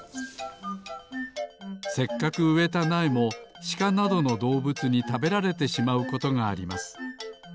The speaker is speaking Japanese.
せっかくうえたなえもシカなどのどうぶつにたべられてしまうことがあります。